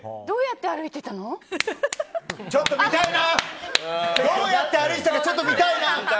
どうやって歩いてたかちょっと見たいな。